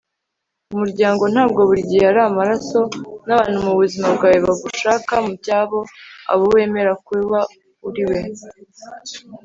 umuryango ntabwo buri gihe ari amaraso. nabantu mubuzima bwawe bagushaka mubyabo. abo wemera kubo uriwe